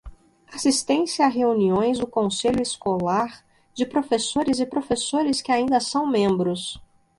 Assistência a reuniões do conselho escolar de professores e professores que ainda são membros.